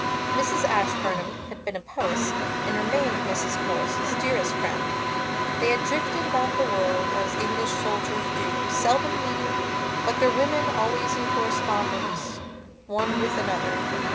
Mrs Ashburnham had been a Powys and remained Mrs Powys' dearest friend. They had drifted about the world as English soldiers do, seldom meeting, but their women always in correspondence one with another.